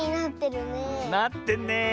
なってんねえ。